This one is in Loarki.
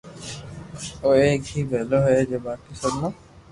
او ايڪ ھي جو ڀلو ھو باقي سب مون